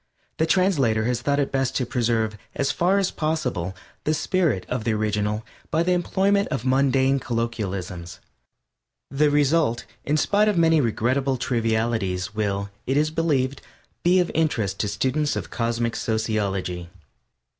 The translator has thought it best to preserve, as far as possible, the spirit of the original by the employment of mundane colloquialisms; the result, in spite of many regrettable trivialities, will, it is believed, be of interest to students of Cosmic Sociology.